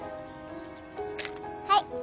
はい。